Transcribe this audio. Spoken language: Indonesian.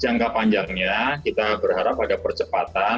jangka panjangnya kita berharap ada percepatan